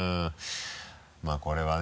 まぁこれはね